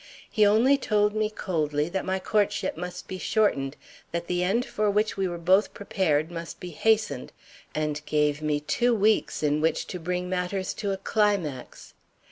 He only told me coldly that my courtship must be shortened; that the end for which we were both prepared must be hastened, and gave me two weeks in which to bring matters to a climax.